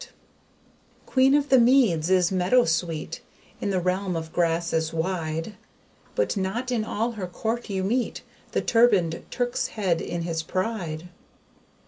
QUEEN OF THE MEADS is MEADOWSWEET, In the realm of grasses wide: But not in all her court you meet The turbaned TURK'S HEAD in his pride.